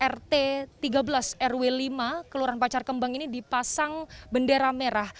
rt tiga belas rw lima kelurahan pacar kembang ini dipasang bendera merah